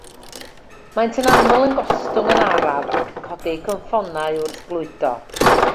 Maent yn aml yn gostwng yn araf ac yn codi eu cynffonau wrth glwydo.